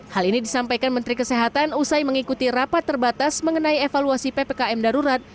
hal ini disampaikan menteri kesehatan usai mengikuti rapat terbatas mengenai evaluasi ppkm darurat